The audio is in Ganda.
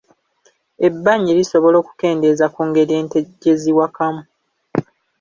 Ebbanyi lisobola okukendeeza ku ngeri ente gye ziwakamu.